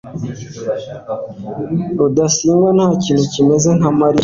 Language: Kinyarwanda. rudasingwa ntakintu kimeze nka mariya cyane